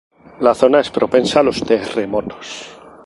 La zona es propensa a los terremotos.